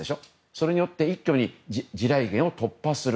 それによって一挙に地雷原を突破する。